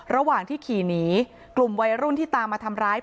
ระหว่างที่ขี่หนีกลุ่มวัยรุ่นที่ตามมาทำร้าย